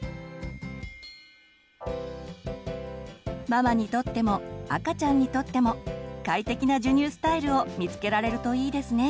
ママにとっても赤ちゃんにとっても快適な授乳スタイルを見つけられるといいですね。